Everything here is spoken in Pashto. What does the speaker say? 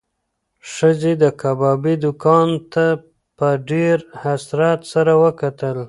ښځې د کبابي دوکان ته په ډېر حسرت سره وکتل.